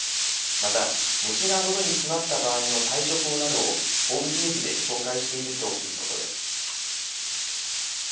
また餅がのどに詰まった場合の対処法などをホームページで紹介しているということです。